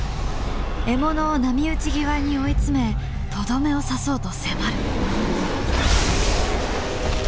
獲物を波打ち際に追い詰めとどめを刺そうと迫る。